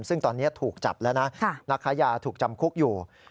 ซึ่งตอนนี้ถูกจับแล้วนะนักค้ายาถูกจำคุกอยู่